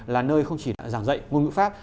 là nơi không chỉ giảng dạy ngôn ngữ pháp